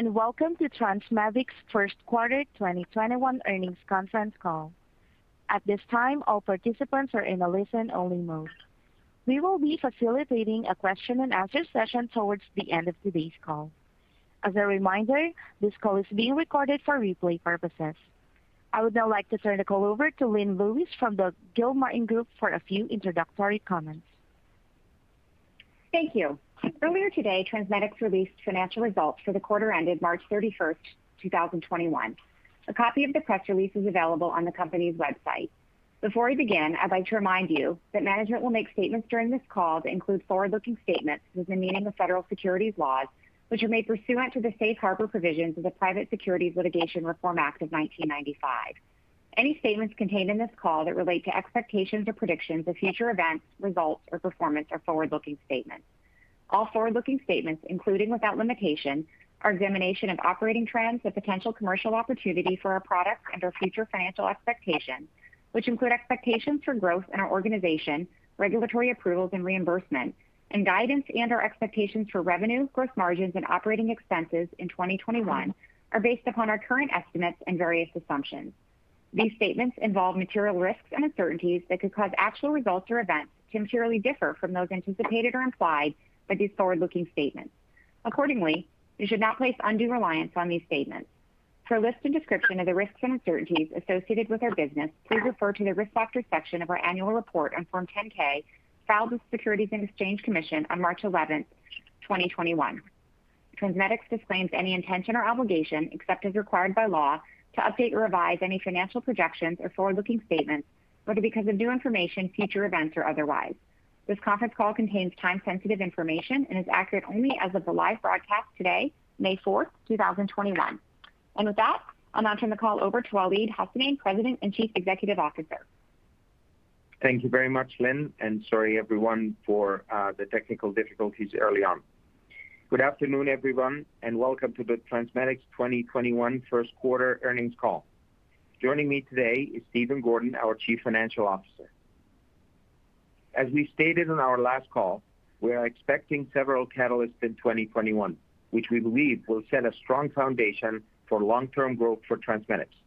Welcome to TransMedics' first quarter 2021 earnings conference call. I would now like to turn the call over to Lynn Lewis from the Gilmartin Group for a few introductory comments. Thank you. Earlier today, TransMedics released financial results for the quarter ended March 31st, 2021. A copy of the press release is available on the company's website. Before we begin, I'd like to remind you that management will make statements during this call that include forward-looking statements within the meaning of federal securities laws, which are made pursuant to the safe harbor provisions of the Private Securities Litigation Reform Act of 1995. Any statements contained in this call that relate to expectations or predictions of future events, results, or performance are forward-looking statements. All forward-looking statements, including without limitation, our examination of operating trends, the potential commercial opportunity for our products and our future financial expectations, which include expectations for growth in our organization, regulatory approvals and reimbursement, and guidance and our expectations for revenue, gross margins and operating expenses in 2021 are based upon our current estimates and various assumptions. These statements involve material risks and uncertainties that could cause actual results or events to materially differ from those anticipated or implied by these forward-looking statements. Accordingly, you should not place undue reliance on these statements. For a list and description of the risks and uncertainties associated with our business, please refer to the Risk Factors section of our annual report on Form 10-K filed with the Securities and Exchange Commission on March 11th, 2021. TransMedics disclaims any intention or obligation, except as required by law, to update or revise any financial projections or forward-looking statements, whether because of new information, future events, or otherwise. This conference call contains time-sensitive information and is accurate only as of the live broadcast today, May 4th, 2021. With that, I'll now turn the call over to Waleed Hassanein, President and Chief Executive Officer. Thank you very much, Lynn. Sorry, everyone, for the technical difficulties early on. Good afternoon, everyone. Welcome to the TransMedics 2021 first quarter earnings call. Joining me today is Stephen Gordon, our Chief Financial Officer. As we stated on our last call, we are expecting several catalysts in 2021, which we believe will set a strong foundation for long-term growth for TransMedics.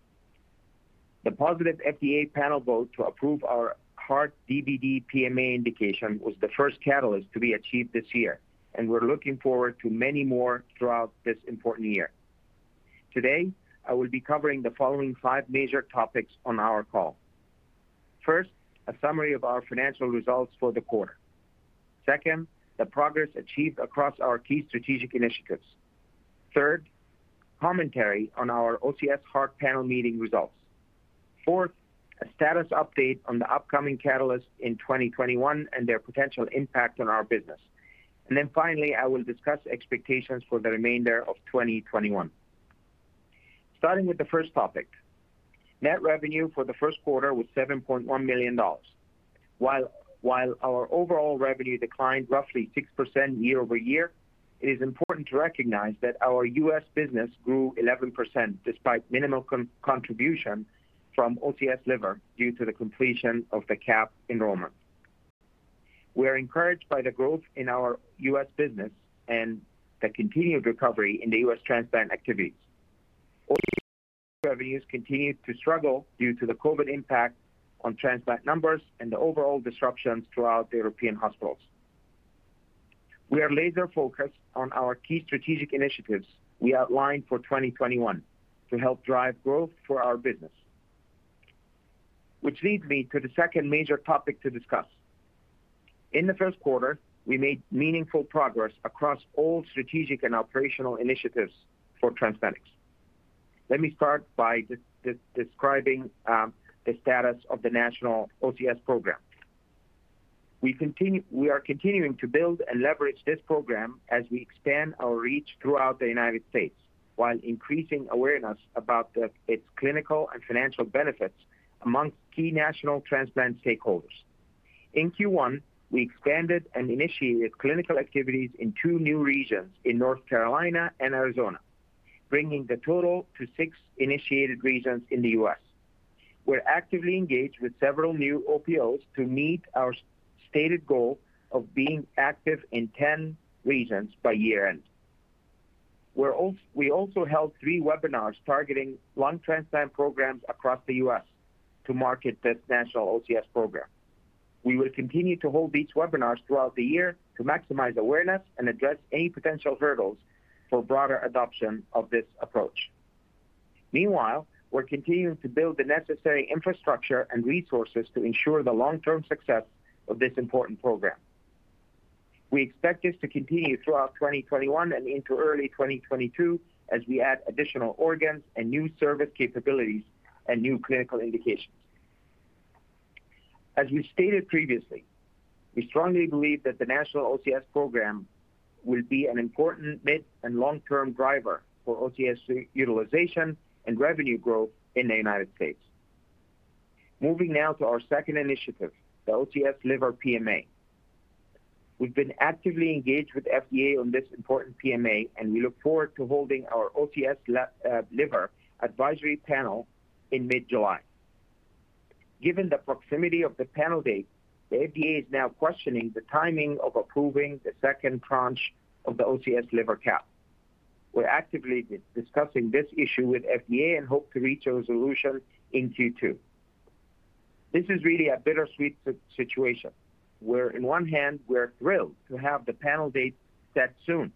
The positive FDA panel vote to approve our Heart DBD PMA indication was the first catalyst to be achieved this year. We're looking forward to many more throughout this important year. Today, I will be covering the following five major topics on our call. First, a summary of our financial results for the quarter. Second, the progress achieved across our key strategic initiatives. Third, commentary on our OCS Heart panel meeting results. Fourth, a status update on the upcoming catalysts in 2021 and their potential impact on our business. Finally, I will discuss expectations for the remainder of 2021. Starting with the first topic. Net revenue for the first quarter was $7.1 million. While our overall revenue declined roughly 6% year-over-year, it is important to recognize that our U.S. business grew 11%, despite minimal contribution from OCS Liver due to the completion of the CAP enrollment. We are encouraged by the growth in our U.S. business and the continued recovery in the U.S. transplant activities. OCS revenues continued to struggle due to the COVID impact on transplant numbers and the overall disruptions throughout the European hospitals. We are laser-focused on our key strategic initiatives we outlined for 2021 to help drive growth for our business. Leads me to the second major topic to discuss. In the first quarter, we made meaningful progress across all strategic and operational initiatives for TransMedics. Let me start by describing the status of the National OCS Program. We are continuing to build and leverage this program as we expand our reach throughout the United States while increasing awareness about its clinical and financial benefits among key national transplant stakeholders. In Q1, we expanded and initiated clinical activities in two new regions in North Carolina and Arizona, bringing the total to six initiated regions in the U.S. We're actively engaged with several new OPOs to meet our stated goal of being active in 10 regions by year-end. We also held three webinars targeting lung transplant programs across the U.S. to market this National OCS Program. We will continue to hold these webinars throughout the year to maximize awareness and address any potential hurdles for broader adoption of this approach. Meanwhile, we're continuing to build the necessary infrastructure and resources to ensure the long-term success of this important program. We expect this to continue throughout 2021 and into early 2022 as we add additional organs and new service capabilities and new clinical indications. As we stated previously, we strongly believe that the National OCS Program will be an important mid and long-term driver for OCS utilization and revenue growth in the United States. Moving now to our second initiative, the OCS Liver PMA. We've been actively engaged with FDA on this important PMA, and we look forward to holding our OCS Liver advisory panel in mid-July. Given the proximity of the panel date, the FDA is now questioning the timing of approving the second tranche of the OCS Liver CAP. We're actively discussing this issue with FDA and hope to reach a resolution in Q2. This is really a bittersweet situation where on one hand, we're thrilled to have the panel date set soon.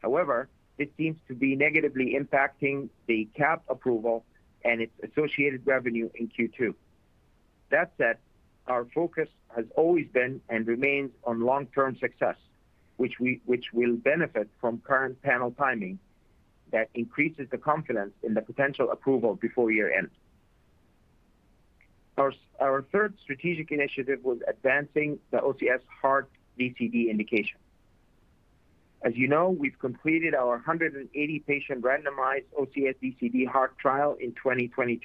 However, this seems to be negatively impacting the CAP approval and its associated revenue in Q2. That said, our focus has always been and remains on long-term success, which will benefit from current panel timing that increases the confidence in the potential approval before year-end. Our third strategic initiative was advancing the OCS Heart DCD indication. As you know, we've completed our 180-patient randomized OCS DCD Heart trial in 2020.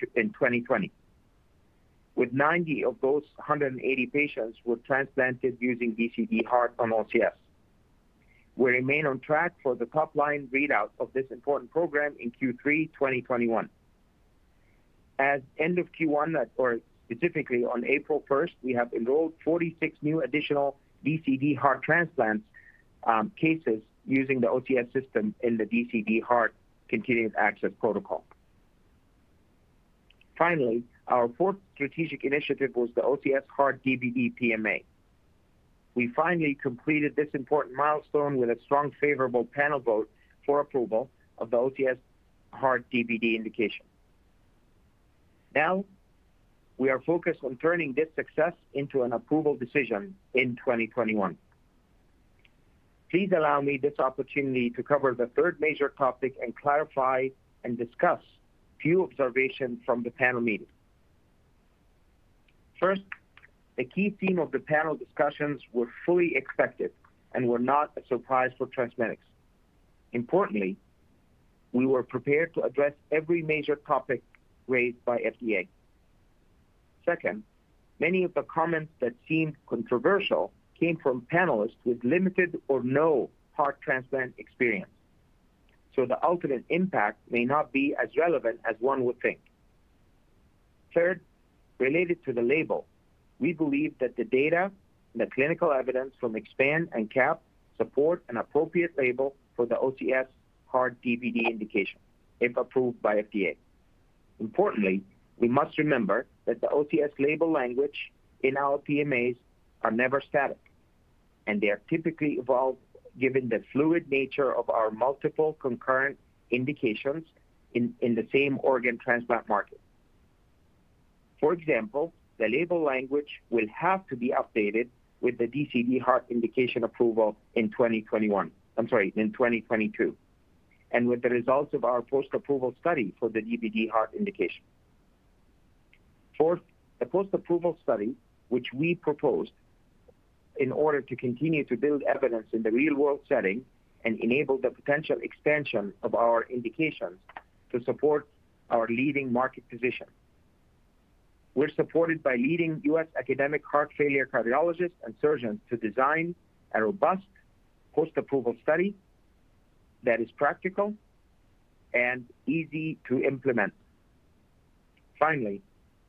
With 90 of those 180 patients were transplanted using DCD heart on OCS. We remain on track for the top-line readout of this important program in Q3 2021. At end of Q1 or specifically on April 1st, we have enrolled 46 new additional DCD heart transplant cases using the OCS system in the DCD Heart Continuous Access Protocol. Finally, our fourth strategic initiative was the OCS Heart DBD PMA. We finally completed this important milestone with a strong favorable panel vote for approval of the OCS Heart DBD indication. We are focused on turning this success into an approval decision in 2021. Please allow me this opportunity to cover the third major topic and clarify and discuss few observations from the panel meeting. The key theme of the panel discussions were fully expected and were not a surprise for TransMedics. We were prepared to address every major topic raised by FDA. Many of the comments that seemed controversial came from panelists with limited or no heart transplant experience. The ultimate impact may not be as relevant as one would think. Third, related to the label, we believe that the data and the clinical evidence from EXPAND and CAP support an appropriate label for the OCS Heart DBD indication if approved by FDA. Importantly, we must remember that the OCS label language in our PMAs are never static, and they are typically evolved given the fluid nature of our multiple concurrent indications in the same organ transplant market. For example, the label language will have to be updated with the DCD heart indication approval in 2021. I'm sorry, in 2022. With the results of our post-approval study for the DBD heart indication. Fourth, the post-approval study, which we proposed in order to continue to build evidence in the real-world setting and enable the potential expansion of our indications to support our leading market position. We're supported by leading U.S. academic heart failure cardiologists and surgeons to design a robust post-approval study that is practical and easy to implement. Finally,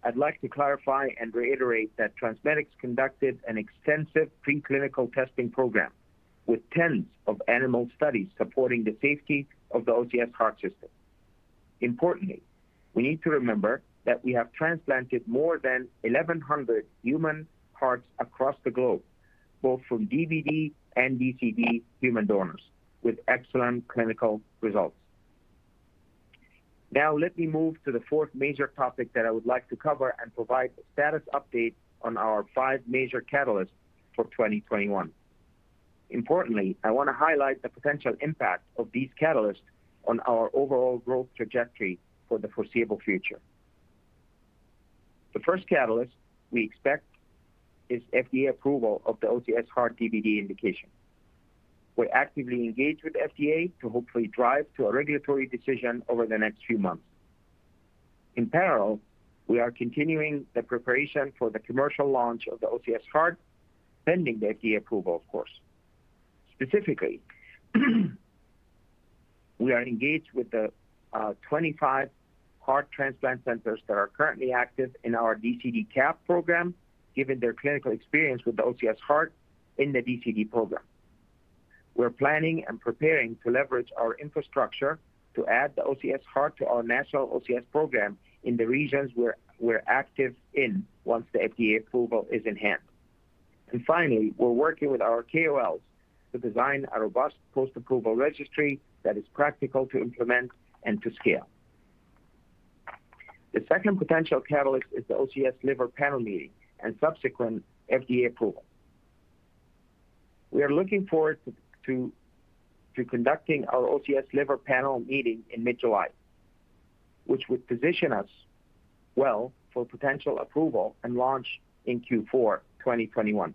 I'd like to clarify and reiterate that TransMedics conducted an extensive pre-clinical testing program with tens of animal studies supporting the safety of the OCS Heart system. Importantly, we need to remember that we have transplanted more than 1,100 human hearts across the globe, both from DBD and DCD human donors with excellent clinical results. Let me move to the fourth major topic that I would like to cover and provide a status update on our five major catalysts for 2021. Importantly, I want to highlight the potential impact of these catalysts on our overall growth trajectory for the foreseeable future. The first catalyst we expect is FDA approval of the OCS Heart DBD indication. We're actively engaged with FDA to hopefully drive to a regulatory decision over the next few months. In parallel, we are continuing the preparation for the commercial launch of the OCS Heart, pending the FDA approval, of course. Specifically, we are engaged with the 25 heart transplant centers that are currently active in our DCD CAP program, given their clinical experience with the OCS Heart in the DCD program. We're planning and preparing to leverage our infrastructure to add the OCS Heart to our National OCS Program in the regions where we're active in once the FDA approval is in hand. Finally, we're working with our KOLs to design a robust post-approval registry that is practical to implement and to scale. The second potential catalyst is the OCS Liver panel meeting and subsequent FDA approval. We are looking forward to conducting our OCS Liver panel meeting in mid-July, which would position us well for potential approval and launch in Q4 2021.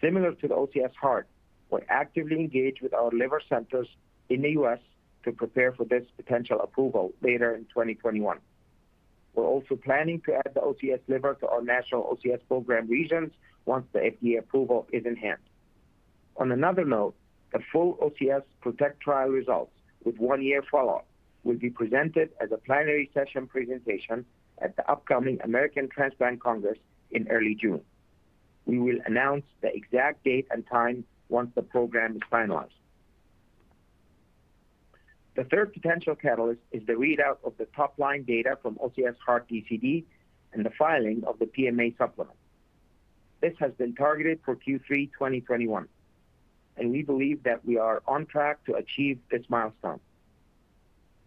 Similar to the OCS Heart, we're actively engaged with our liver centers in the U.S. to prepare for this potential approval later in 2021. We're also planning to add the OCS Liver to our National OCS Program regions once the FDA approval is in hand. On another note, the full OCS PROTECT trial results with one-year follow-up will be presented as a plenary session presentation at the upcoming American Transplant Congress in early June. We will announce the exact date and time once the program is finalized. The third potential catalyst is the readout of the top-line data from OCS Heart DCD and the filing of the PMA supplement. This has been targeted for Q3 2021, and we believe that we are on track to achieve this milestone.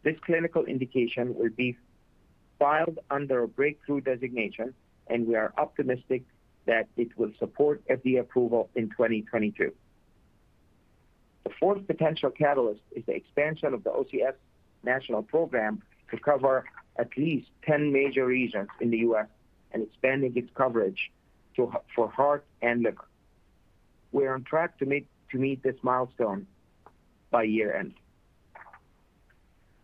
This clinical indication will be filed under a breakthrough designation, and we are optimistic that it will support FDA approval in 2022. The fourth potential catalyst is the expansion of the National OCS Program to cover at least 10 major regions in the U.S. and expanding its coverage for heart and lung. We are on track to meet this milestone by year-end.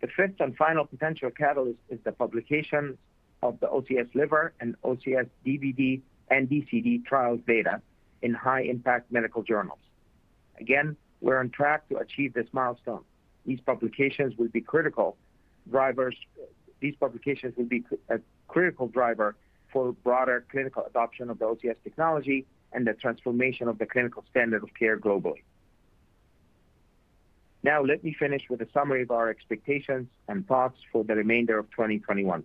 The fifth and final potential catalyst is the publication of the OCS Liver and OCS DBD and DCD trials data in high-impact medical journals. Again, we're on track to achieve this milestone. These publications will be a critical driver for broader clinical adoption of the OCS technology and the transformation of the clinical standard of care globally. Let me finish with a summary of our expectations and thoughts for the remainder of 2021.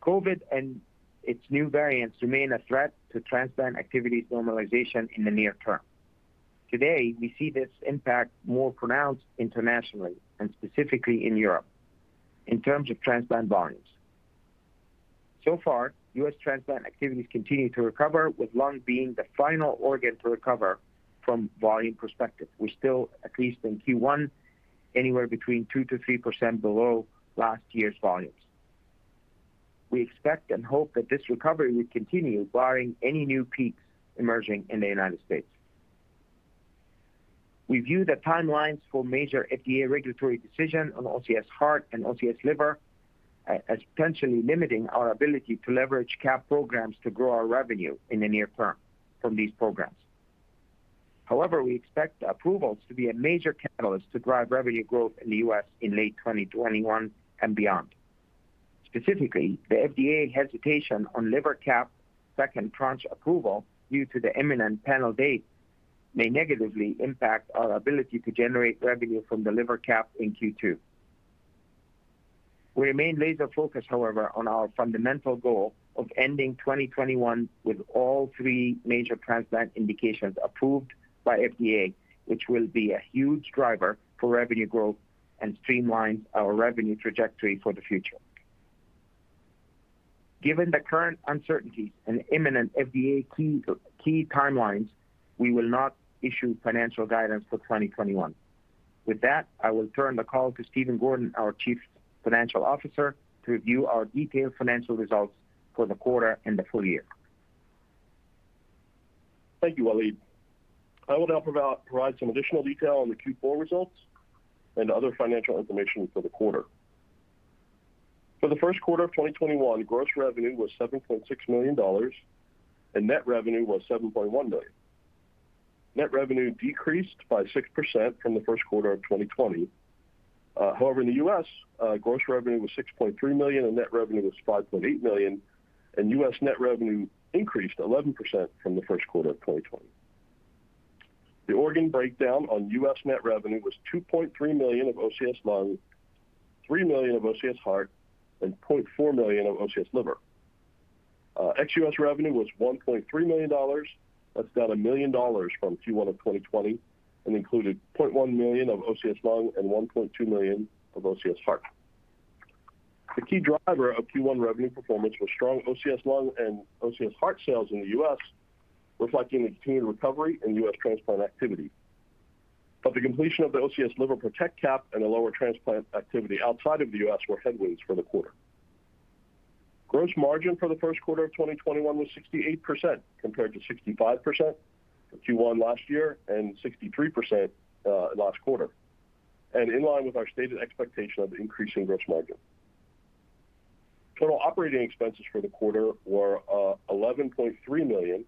COVID and its new variants remain a threat to transplant activity normalization in the near term. Today, we see this impact more pronounced internationally, and specifically in Europe, in terms of transplant volumes. So far, U.S. transplant activities continue to recover, with lung being the final organ to recover from volume perspective. We're still, at least in Q1, anywhere between 2% to 3% below last year's volumes. We expect and hope that this recovery will continue, barring any new peaks emerging in the United States. We view the timelines for major FDA regulatory decision on OCS Heart and OCS Liver as potentially limiting our ability to leverage CAP programs to grow our revenue in the near term from these programs. However, we expect approvals to be a major catalyst to drive revenue growth in the U.S. in late 2021 and beyond. Specifically, the FDA hesitation on liver CAP second tranche approval due to the imminent panel date may negatively impact our ability to generate revenue from the liver CAP in Q2. We remain laser-focused, however, on our fundamental goal of ending 2021 with all three major transplant indications approved by FDA, which will be a huge driver for revenue growth and streamlines our revenue trajectory for the future. Given the current uncertainties and imminent FDA key timelines, we will not issue financial guidance for 2021. With that, I will turn the call to Stephen Gordon, our Chief Financial Officer, to review our detailed financial results for the quarter and the full year. Thank you, Waleed. I will now provide some additional detail on the Q4 results and other financial information for the quarter. For the first quarter of 2021, gross revenue was $7.6 million, and net revenue was $7.1 million. Net revenue decreased by 6% from the first quarter of 2020. However, in the U.S., gross revenue was $6.3 million and net revenue was $5.8 million, and U.S. net revenue increased 11% from the first quarter of 2020. The organ breakdown on U.S. net revenue was $2.3 million of OCS Lung, $3 million of OCS Heart, and $0.4 million of OCS Liver. Ex-U.S. revenue was $1.3 million. That's down $1 million from Q1 of 2020 and included $0.1 million of OCS Lung and $1.2 million of OCS Heart. The key driver of Q1 revenue performance was strong OCS Lung and OCS Heart sales in the U.S., reflecting the continued recovery in U.S. transplant activity. The completion of the OCS Liver PROTECT CAP and the lower transplant activity outside of the U.S. were headwinds for the quarter. Gross margin for the first quarter of 2021 was 68%, compared to 65% in Q1 last year and 63% last quarter, and in line with our stated expectation of increasing gross margin. Total operating expenses for the quarter were $11.3 million,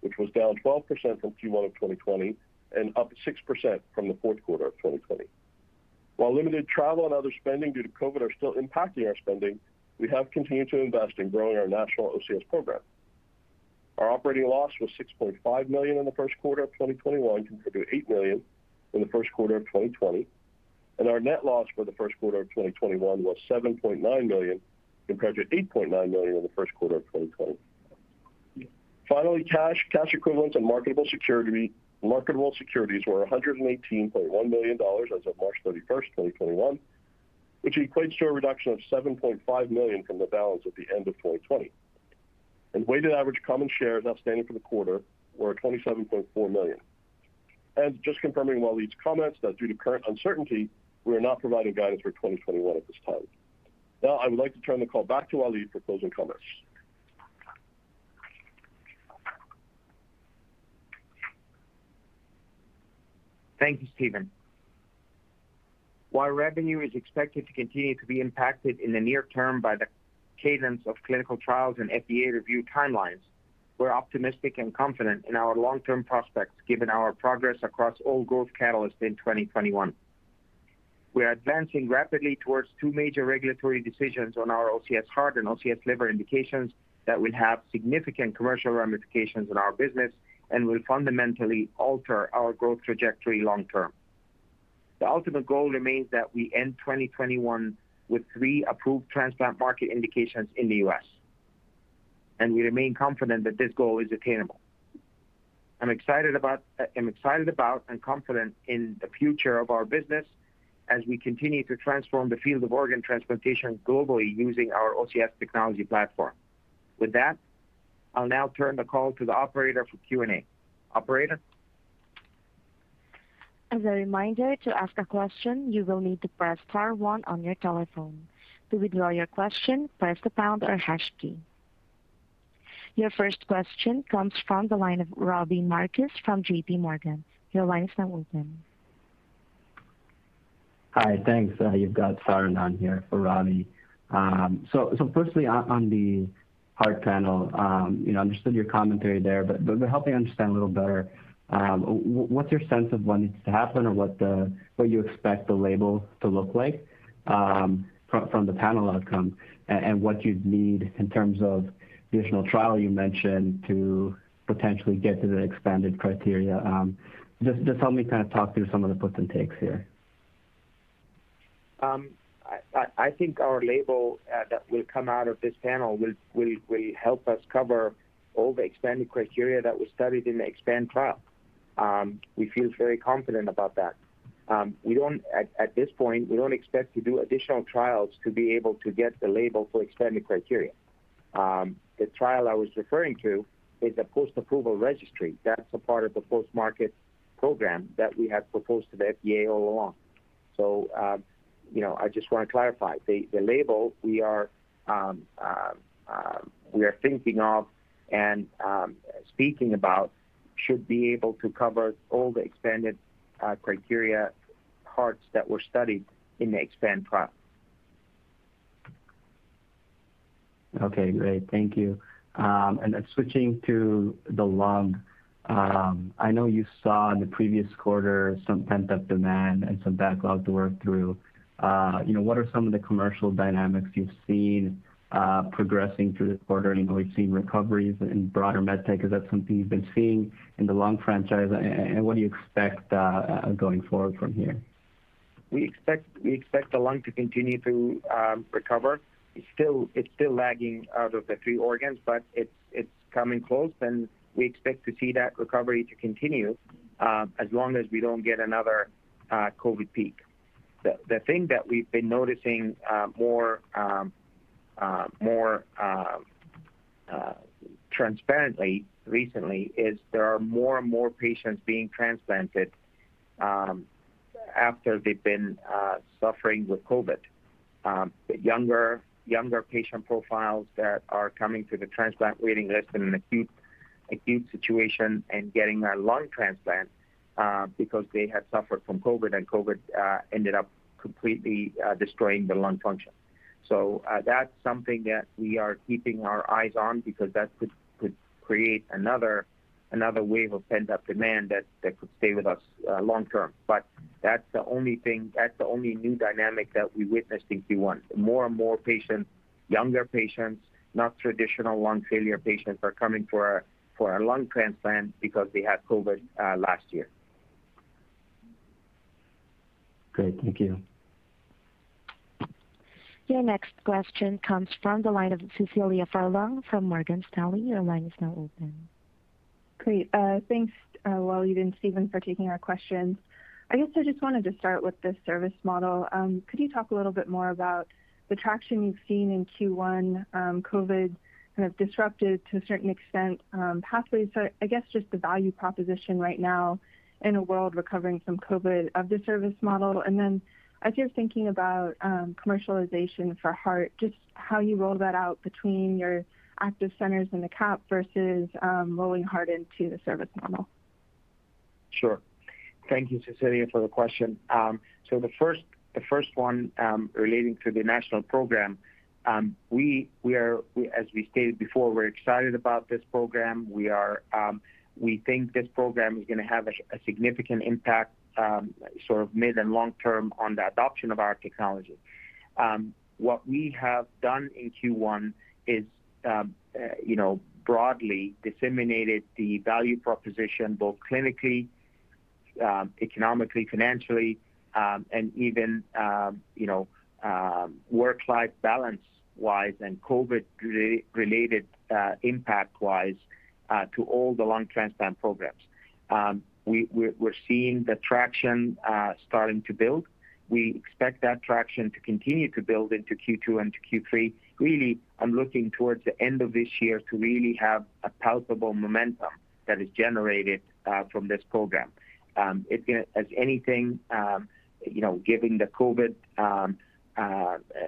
which was down 12% from Q1 of 2020 and up 6% from the fourth quarter of 2020. While limited travel and other spending due to COVID are still impacting our spending, we have continued to invest in growing our National OCS Program. Our operating loss was $6.5 million in the first quarter of 2021, compared to $8 million in the first quarter of 2020. Our net loss for the first quarter of 2021 was $7.9 million, compared to $8.9 million in the first quarter of 2020. Finally, cash equivalents, and marketable securities were $118.1 million as of March 31st, 2021, which equates to a reduction of $7.5 million from the balance at the end of 2020. Weighted average common shares outstanding for the quarter were 27.4 million. Just confirming Waleed's comments that due to current uncertainty, we are not providing guidance for 2021 at this time. I would like to turn the call back to Waleed for closing comments. Thank you, Stephen. While revenue is expected to continue to be impacted in the near term by the cadence of clinical trials and FDA review timelines, we're optimistic and confident in our long-term prospects given our progress across all growth catalysts in 2021. We're advancing rapidly towards two major regulatory decisions on our OCS Heart and OCS Liver indications that will have significant commercial ramifications in our business and will fundamentally alter our growth trajectory long term. The ultimate goal remains that we end 2021 with three approved transplant market indications in the U.S., and we remain confident that this goal is attainable. I'm excited about and confident in the future of our business as we continue to transform the field of organ transplantation globally using our OCS technology platform. With that, I'll now turn the call to the operator for Q&A. Operator? Your first question comes from the line of Robbie Marcus from J.P. Morgan. Your line is now open. Hi, thanks. You've got Saron here for Robbie. Firstly, on the heart panel, I understood your commentary there, but help me understand a little better, what's your sense of when it needs to happen or what you expect the label to look like from the panel outcome and what you'd need in terms of the additional trial you mentioned to potentially get to the expanded criteria? Just help me kind of talk through some of the puts and takes here. I think our label that will come out of this panel will help us cover all the expanded criteria that we studied in the EXPAND trial. We feel very confident about that. At this point, we don't expect to do additional trials to be able to get the label for expanded criteria. The trial I was referring to is a post-approval registry. That's a part of the post-market program that we have proposed to the FDA all along. I just want to clarify. The label we are thinking of and speaking about should be able to cover all the expanded criteria hearts that were studied in the EXPAND trial. Okay, great. Thank you. Switching to the lung. I know you saw in the previous quarter some pent-up demand and some backlog to work through. What are some of the commercial dynamics you've seen progressing through the quarter? I know we've seen recoveries in broader MedTech. Is that something you've been seeing in the lung franchise? What do you expect going forward from here? We expect the lung to continue to recover. It's still lagging out of the three organs, but it's coming close and we expect to see that recovery to continue as long as we don't get another COVID peak. The thing that we've been noticing more transparently recently is there are more and more patients being transplanted after they've been suffering with COVID. The younger patient profiles that are coming to the transplant waiting list in an acute situation and getting a lung transplant because they had suffered from COVID and COVID ended up completely destroying the lung function. That's something that we are keeping our eyes on because that could create another wave of pent-up demand that could stay with us long term. That's the only new dynamic that we witnessed in Q1. More and more patients, younger patients, not traditional lung failure patients, are coming for a lung transplant because they had COVID last year. Great. Thank you. Your next question comes from the line of Cecilia Furlong from Morgan Stanley. Your line is now open. Great. Thanks, Waleed and Stephen, for taking our questions. I guess I just wanted to start with the service model. Could you talk a little bit more about the traction you've seen in Q1? COVID kind of disrupted, to a certain extent, pathways, so I guess just the value proposition right now in a world recovering from COVID of the service model. As you're thinking about commercialization for heart, just how you roll that out between your active centers in the CAP versus rolling heart into the service model. Sure. Thank you, Cecilia, for the question. The first one relating to the National Program. As we stated before, we're excited about this program. We think this program is going to have a significant impact sort of mid and long term on the adoption of our technology. What we have done in Q1 is broadly disseminated the value proposition both clinically, economically, financially, and even work-life balance-wise and COVID-related impact-wise to all the lung transplant programs. We're seeing the traction starting to build. We expect that traction to continue to build into Q2 and to Q3. Really, I'm looking towards the end of this year to really have a palpable momentum that is generated from this program. As anything giving the COVID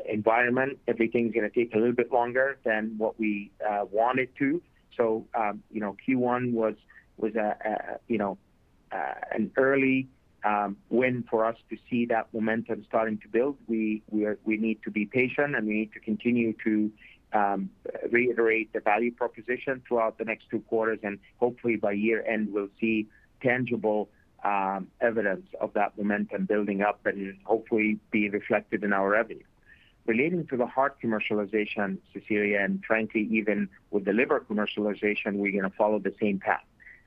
environment, everything's going to take a little bit longer than what we want it to. Q1 was an early win for us to see that momentum starting to build. We need to be patient, and we need to continue to reiterate the value proposition throughout the next two quarters, and hopefully by year-end, we'll see tangible evidence of that momentum building up and hopefully be reflected in our revenue. Relating to the heart commercialization, Cecilia, and frankly, even with the liver commercialization, we're going to follow the same path.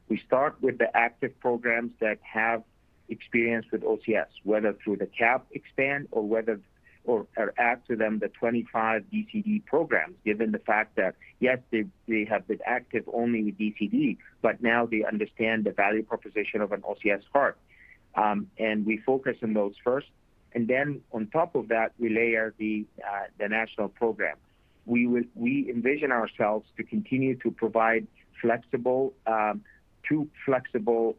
We start with the active programs that have experience with OCS, whether through the CAP EXPAND or add to them the 25 DCD programs, given the fact that, yes, they have been active only with DCD, but now they understand the value proposition of an OCS Heart. We focus on those first, and then on top of that, we layer the National Program. We envision ourselves to continue to provide two flexible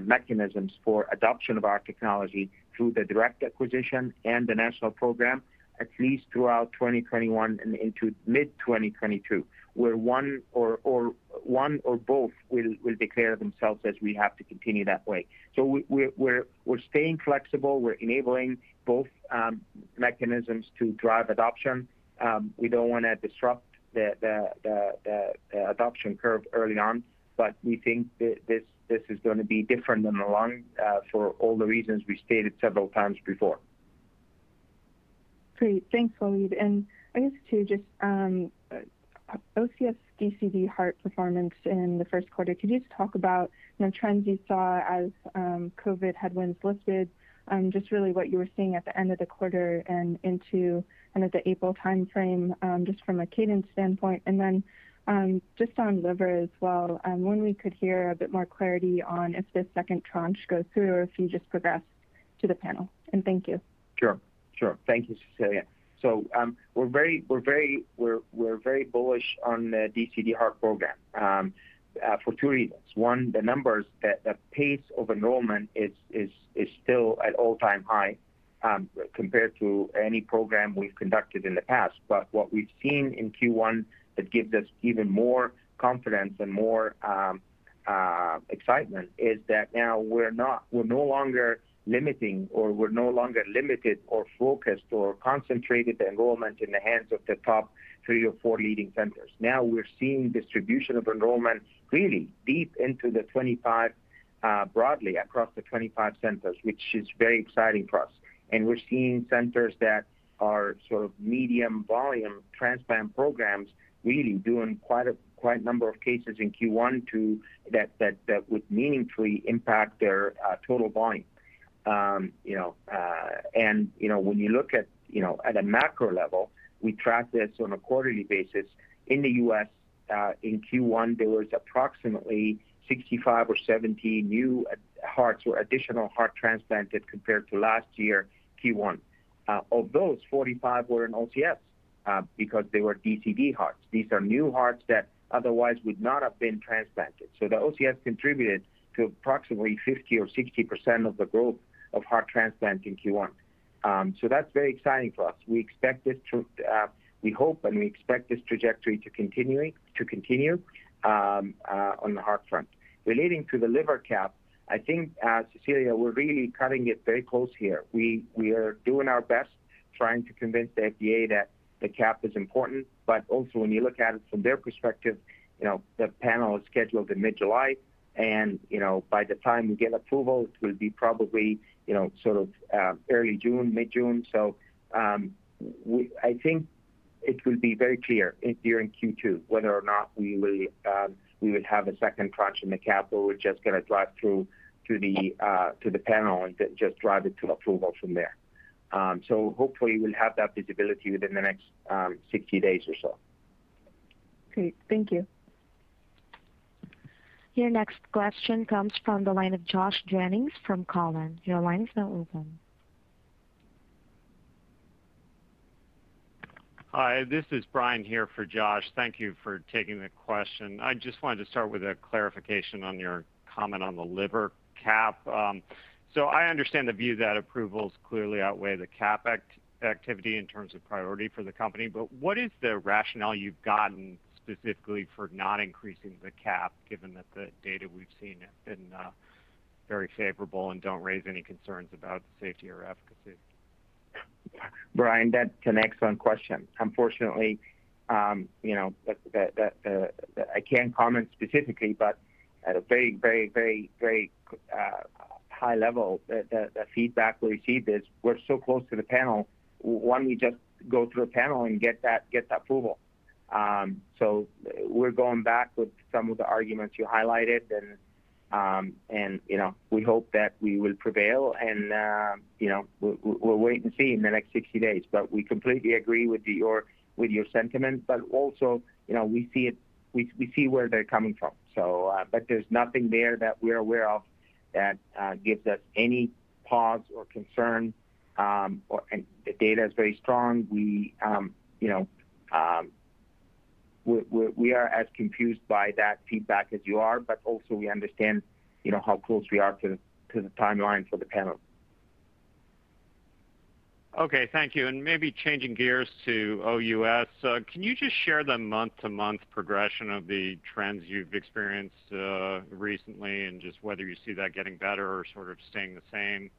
mechanisms for adoption of our technology through the direct acquisition and the National Program, at least throughout 2021 and into mid-2022, where one or both will declare themselves as we have to continue that way. We're staying flexible. We're enabling both mechanisms to drive adoption. We don't want to disrupt the adoption curve early on, but we think that this is going to be different than the lung for all the reasons we stated several times before. Great. Thanks, Waleed. I guess too, just OCS DCD Heart performance in the first quarter. Could you just talk about trends you saw as COVID headwinds lifted, just really what you were seeing at the end of the quarter and into the April timeframe, just from a cadence standpoint? Then just on Liver as well, when we could hear a bit more clarity on if this second tranche goes through or if you just progress to the panel. Thank you. Sure. Thank you, Cecilia. We're very bullish on the DCD heart program for two reasons. One, the numbers. The pace of enrollment is still at all-time high compared to any program we've conducted in the past. What we've seen in Q1 that gives us even more confidence and more excitement is that now we're no longer limiting or we're no longer limited or focused or concentrated the enrollment in the hands of the top three or four leading centers. Now we're seeing distribution of enrollment really deep into the 25, broadly across the 25 centers, which is very exciting for us. We're seeing centers that are sort of medium volume transplant programs really doing quite a number of cases in Q1 too, that would meaningfully impact their total volume. When you look at a macro level, we track this on a quarterly basis. In the U.S., in Q1, there was approximately 65 or 70 new hearts or additional heart transplanted compared to last year Q1. Of those, 45 were in OCS because they were DCD hearts. These are new hearts that otherwise would not have been transplanted. The OCS contributed to approximately 50% or 60% of the growth of heart transplant in Q1. That's very exciting for us. We hope and we expect this trajectory to continue on the heart front. Relating to the liver CAP, I think, Cecilia, we're really cutting it very close here. We are doing our best, trying to convince the FDA that the CAP is important, also when you look at it from their perspective, the panel is scheduled in mid-July, and by the time we get approval, it will be probably sort of early June, mid-June. I think it will be very clear during Q2 whether or not we will have a second tranche in the CAP, or we're just going to drive through to the panel and just drive it to approval from there. Hopefully we'll have that visibility within the next 60 days or so. Great. Thank you. Your next question comes from the line of Josh Jennings from Cowen. Your line is now open. Hi, this is Brian here for Josh. Thank you for taking the question. I just wanted to start with a clarification on your comment on the liver CAP. I understand the view that approvals clearly outweigh the CAP activity in terms of priority for the company, but what is the rationale you've gotten specifically for not increasing the CAP, given that the data we've seen has been very favorable and don't raise any concerns about the safety or efficacy? Brian, that's an excellent question. Unfortunately, I can't comment specifically, but at a very high level, the feedback we received is, "We're so close to the panel." Why don't we just go through a panel and get that approval? We're going back with some of the arguments you highlighted, and we hope that we will prevail, and we'll wait and see in the next 60 days. We completely agree with your sentiment, but also, we see where they're coming from. There's nothing there that we're aware of that gives us any pause or concern. The data is very strong. We are as confused by that feedback as you are, but also we understand how close we are to the timeline for the panel. Okay, thank you. Maybe changing gears to OUS. Can you just share the month-to-month progression of the trends you've experienced recently, and just whether you see that getting better or sort of staying the same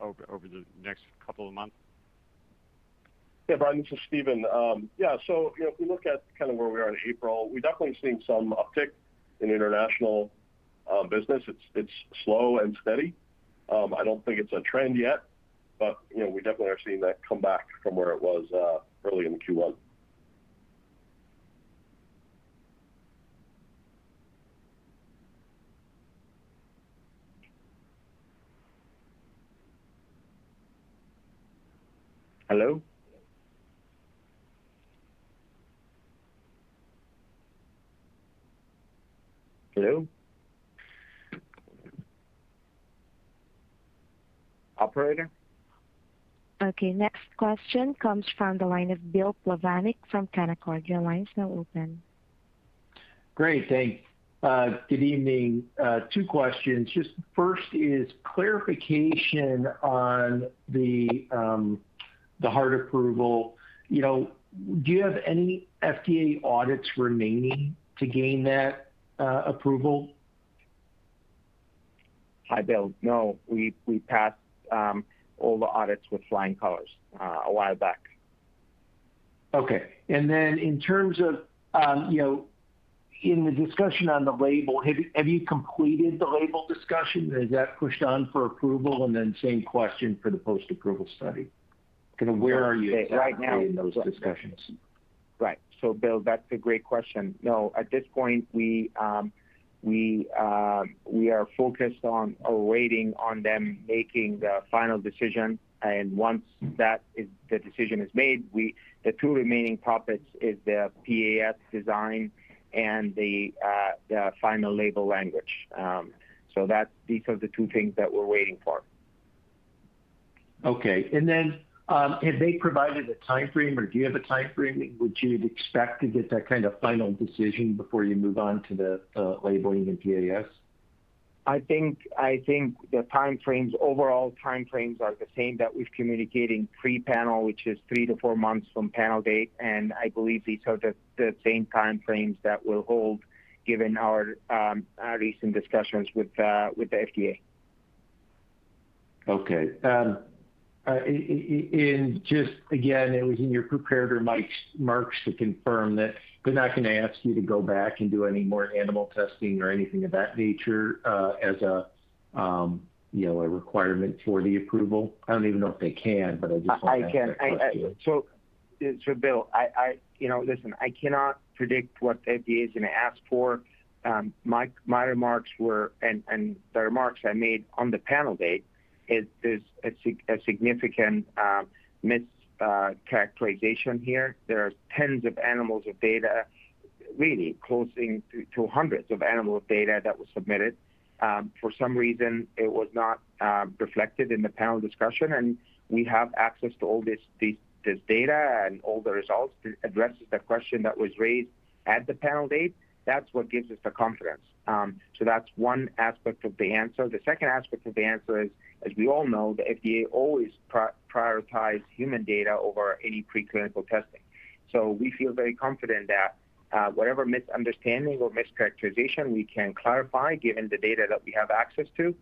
over the next couple of months? Brian, this is Stephen. If we look at kind of where we are in April, we've definitely seen some uptick in international business. It's slow and steady. I don't think it's a trend yet, but we definitely are seeing that come back from where it was early in Q1. Hello? Hello? Operator? Okay, next question comes from the line of Bill Plovanic from Canaccord. Your line is now open. Great, thanks. Good evening. Two questions. Just first is clarification on the heart approval. Do you have any FDA audits remaining to gain that approval? Hi, Bill. No, we passed all the audits with flying colors a while back. Okay. In terms of in the discussion on the label, have you completed the label discussion? Is that pushed on for approval? Same question for the post-approval study. Where are you in those discussions? Right. Bill, that's a great question. No, at this point, we are focused on waiting on them making the final decision. Once the decision is made, the two remaining topics is the PAS design and the final label language. These are the two things that we're waiting for. Okay. Then, have they provided a timeframe, or do you have a timeframe in which you'd expect to get that kind of final decision before you move on to the labeling and PAS? I think the overall timeframes are the same that we've communicated pre-panel, which is three to four months from panel date. I believe these are the same timeframes that will hold given our recent discussions with the FDA. Okay. Just, again, it was in your prepared remarks to confirm that they're not going to ask you to go back and do any more animal testing or anything of that nature as a requirement for the approval. I don't even know if they can, but I just wanted to ask that question. Bill, listen, I cannot predict what the FDA is going to ask for. My remarks were, and the remarks I made on the panel date is a significant mischaracterization here. There are tens of animals of data, really closing to hundreds of animal data that was submitted. For some reason, it was not reflected in the panel discussion. We have access to all this data and all the results to address the question that was raised at the panel date. That's what gives us the confidence. That's one aspect of the answer. The second aspect of the answer is, as we all know, the FDA always prioritize human data over any preclinical testing. We feel very confident that whatever misunderstanding or mischaracterization we can clarify given the data that we have access to.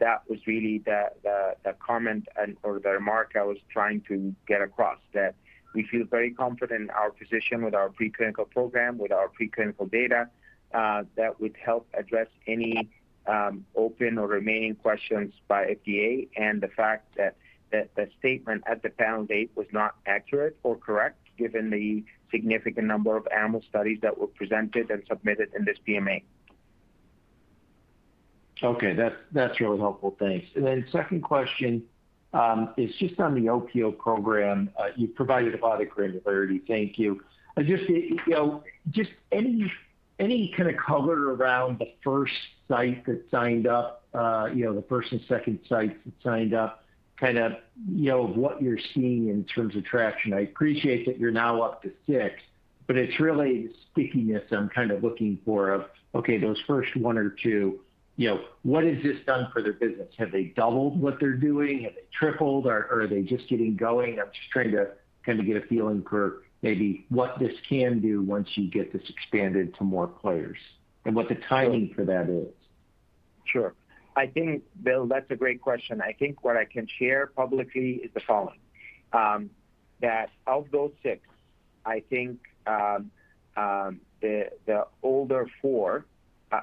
That was really the comment or the remark I was trying to get across, that we feel very confident in our position with our preclinical program, with our preclinical data, that would help address any open or remaining questions by FDA. The fact that the statement at the panel date was not accurate or correct given the significant number of animal studies that were presented and submitted in this PMA. Okay. That's really helpful. Thanks. Second question is just on the OPO program. You've provided a lot of granularity. Thank you. Any kind of color around the first site that signed up, the first and second sites that signed up, kind of what you're seeing in terms of traction. I appreciate that you're now up to six, but it's really stickiness I'm kind of looking for of, okay, those first one or two, what has this done for their business? Have they doubled what they're doing? Have they tripled, or are they just getting going? I'm just trying to kind of get a feeling for maybe what this can do once you get this expanded to more players and what the timing for that is. Sure. I think, Bill, that's a great question. I think what I can share publicly is the following. That of those six, I think the older four,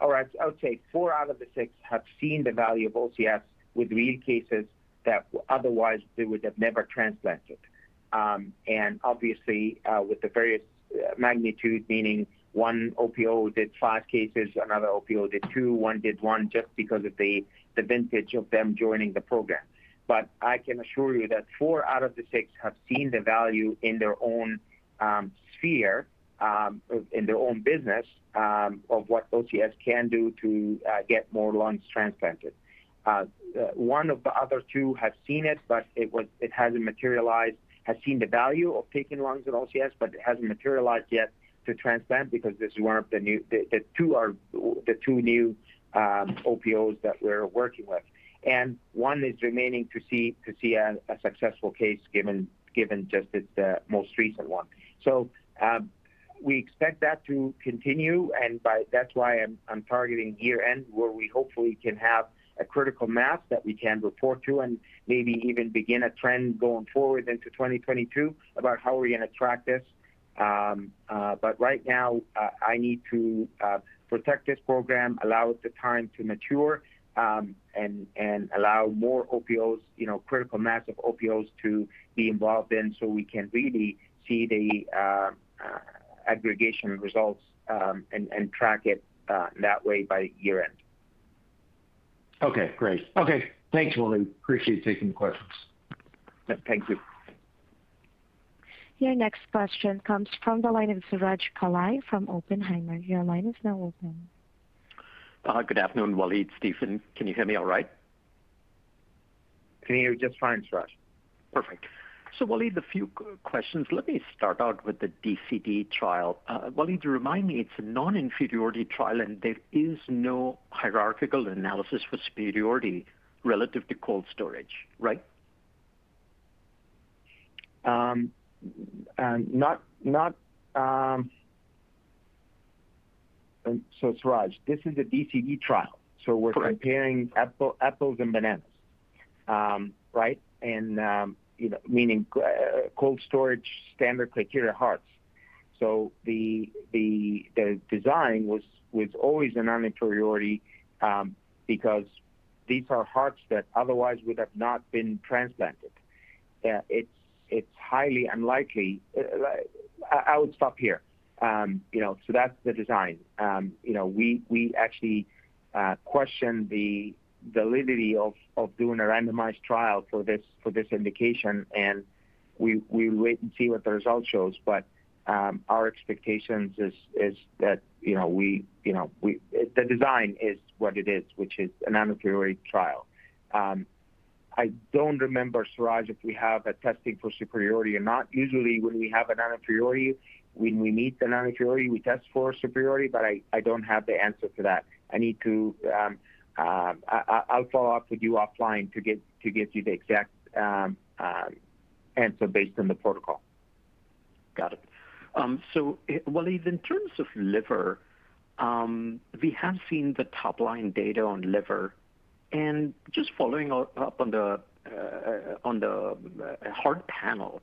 or I would say four out of the six have seen the value of OCS with real cases that otherwise they would have never transplanted. Obviously, with the various magnitude, meaning one OPO did five cases, another OPO did two, one did one just because of the vintage of them joining the program. I can assure you that four out of the six have seen the value in their own sphere, in their own business of what OCS can do to get more lungs transplanted. One of the other two have seen it, but it hasn't materialized, has seen the value of taking lungs at OCS, but it hasn't materialized yet to transplant because these are the two new OPOs that we're working with. One is remaining to see a successful case given just its most recent one. We expect that to continue and that's why I'm targeting year-end where we hopefully can have a critical mass that we can report to and maybe even begin a trend going forward into 2022 about how we're going to track this. Right now, I need to protect this program, allow it the time to mature, and allow more OPOs, critical mass of OPOs to be involved in so we can really see the aggregation results, and track it that way by year-end. Okay, great. Okay, thanks, Waleed. Appreciate taking the questions. Thank you. Your next question comes from the line of Suraj Kalia from Oppenheimer. Your line is now open. Good afternoon, Waleed, Stephen. Can you hear me all right? Can hear you just fine, Suraj. Perfect. Waleed, a few questions. Let me start out with the DCD trial. Waleed, remind me, it's a non-inferiority trial and there is no hierarchical analysis for superiority relative to cold storage, right? Suraj, this is a DCD trial. Correct. We're comparing apples and bananas. Right? Meaning cold storage, standard criteria hearts. The design was always a non-inferiority, because these are hearts that otherwise would have not been transplanted. It's highly unlikely. I would stop here. That's the design. We actually question the validity of doing a randomized trial for this indication, and we wait and see what the result shows. Our expectations is that the design is what it is, which is a non-inferiority trial. I don't remember, Suraj, if we have a testing for superiority or not. Usually, when we have a non-inferiority, when we meet the non-inferiority, we test for superiority, but I don't have the answer for that. I'll follow up with you offline to get you the exact answer based on the protocol. Got it. Waleed, in terms of liver, we have seen the top-line data on liver. Just following up on the heart panel,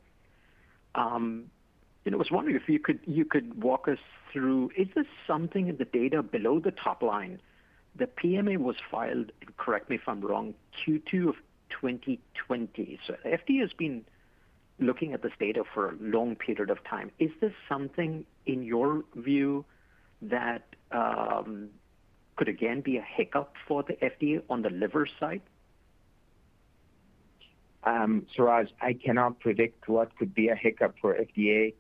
I was wondering if you could walk us through, is there something in the data below the top line? The PMA was filed, and correct me if I'm wrong, Q2 of 2020. FDA has been looking at this data for a long period of time. Is this something in your view that could again be a hiccup for the FDA on the liver side? Suraj, I cannot predict what could be a hiccup for FDA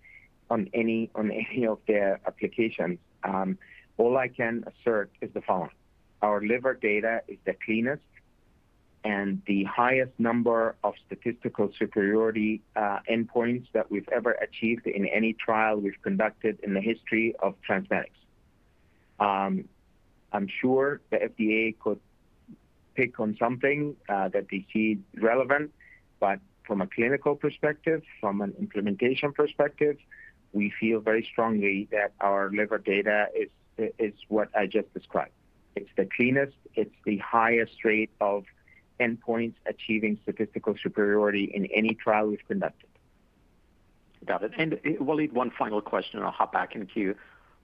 on any of their applications. All I can assert is the following. Our liver data is the cleanest and the highest number of statistical superiority endpoints that we've ever achieved in any trial we've conducted in the history of TransMedics. I'm sure the FDA could pick on something that they see relevant. From a clinical perspective, from an implementation perspective, we feel very strongly that our liver data is what I just described. It's the cleanest, it's the highest rate of endpoints achieving statistical superiority in any trial we've conducted. Got it. Waleed, one final question and I'll hop back in the queue.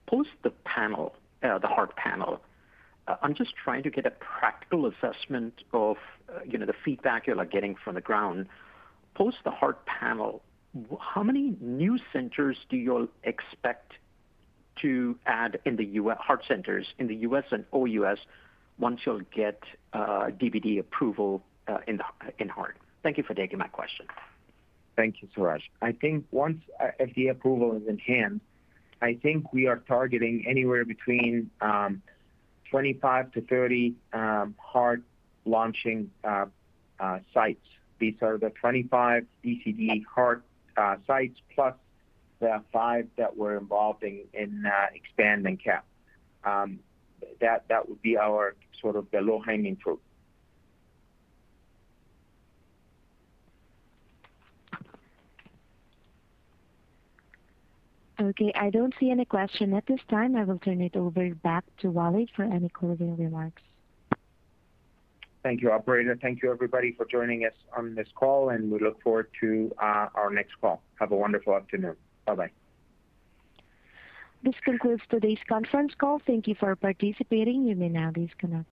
Post the heart panel, I'm just trying to get a practical assessment of the feedback you're getting from the ground. Post the heart panel, how many new centers do you all expect to add in the heart centers in the U.S. and OUS once you'll get DBD approval in heart? Thank you for taking my question. Thank you, Suraj. I think once FDA approval is in hand, I think we are targeting anywhere between 25-30 heart launching sites. These are the 25 DCD heart sites plus the five that we're involving in EXPAND CAP. That would be our sort of the low-hanging fruit. Okay. I don't see any question at this time. I will turn it over back to Waleed for any closing remarks. Thank you, operator. Thank you everybody for joining us on this call, and we look forward to our next call. Have a wonderful afternoon. Bye-bye. This concludes today's conference call. Thank you for participating. You may now disconnect.